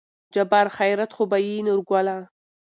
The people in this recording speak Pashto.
جبار : خېرت خو به وي نورګله